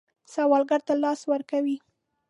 سوالګر ته لاس ورکوئ